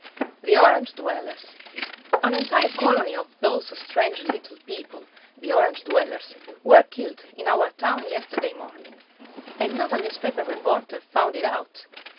] THE ORANGE DWELLERS An entire colony of those strange little people, the Orange dwellers, were killed in our town yesterday morning. And not a newspaper reporter found it out!